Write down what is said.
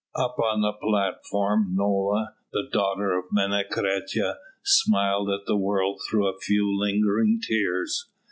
Up on the platform Nola, the daughter of Menecreta, smiled at the world through a few lingering tears.